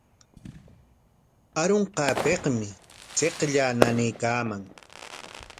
Arunqaapikmi chiqllaa nanaykaaman.